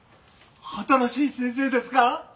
新しい先生ですか？